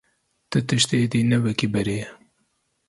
Ti tişt êdî ne wekî berê ye.